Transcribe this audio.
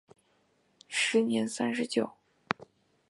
时年三十九。